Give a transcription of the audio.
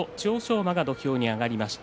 馬が土俵に上がりました。